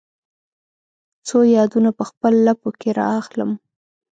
څو یادونه په خپل لپو کې را اخلم